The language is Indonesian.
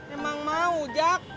emang mau jack